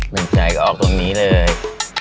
เมียงจ่ายก็ออกตรงนี้เลย